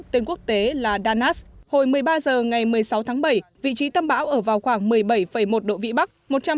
tên quốc tế là danas hồi một mươi ba h ngày một mươi sáu tháng bảy vị trí tâm bão ở vào khoảng một mươi bảy một độ vĩ bắc